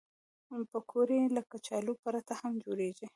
پکورې له کچالو پرته هم جوړېږي